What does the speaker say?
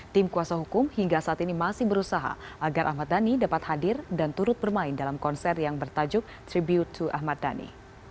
tim kuasa hukum hingga saat ini masih berusaha agar ahmad dhani dapat hadir dan turut bermain dalam konser yang bertajuk tribute to ahmad dhani